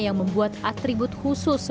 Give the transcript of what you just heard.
yang membuat atribut khusus untuk penyelenggaraan